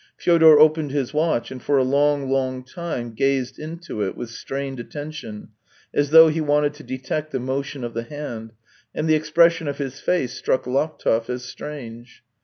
Fyodor opened his watch and for a long, long time gazed into it with strained attention, as though he wanted to detect the motion of the hand, and the expression of his face struck Laptev as strange.